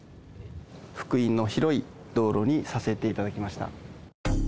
幅員の広い道路にさせていただきました。